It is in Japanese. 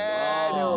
でも。